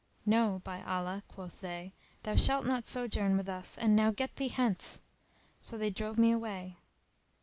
"No, by Allah," quoth they, "thou shalt not sojourn with us and now get thee hence!" So they drove me away.